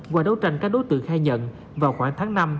qua đấu tranh các đối tượng khai nhận vào khoảng tháng năm